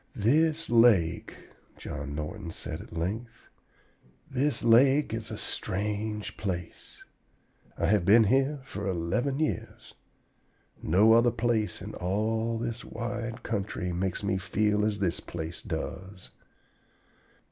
"This lake," John Norton said at length, "this lake is a strange place. I have been here for eleven years. No other place in all this wide country makes me feel as this place does."